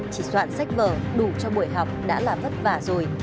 chỉ soạn sách vở đủ cho buổi học đã là vất vả rồi